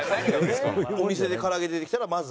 お店で唐揚げ出てきたらまず。